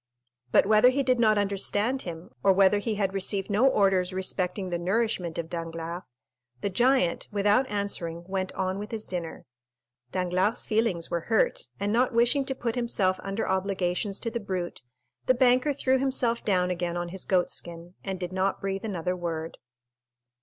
But whether he did not understand him, or whether he had received no orders respecting the nourishment of Danglars, the giant, without answering, went on with his dinner. Danglars' feelings were hurt, and not wishing to put himself under obligations to the brute, the banker threw himself down again on his goat skin and did not breathe another word.